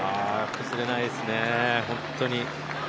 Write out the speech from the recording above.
崩れないですね、本当に。